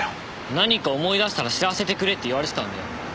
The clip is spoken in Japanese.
「何か思い出したら知らせてくれ」って言われてたんだよ。